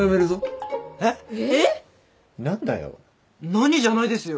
何じゃないですよ！